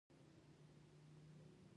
توازن د وېرې او جرئت تر منځ دی.